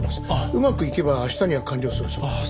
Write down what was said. うまくいけば明日には完了するそうです。